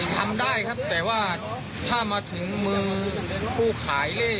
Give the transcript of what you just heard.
ทำได้ครับแต่ว่าถ้ามาถึงมือผู้ขายเลข